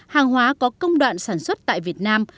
hàng hóa có công đoạn sản xuất tại việt nam